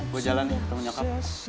gue jalan nih ketemu nyokap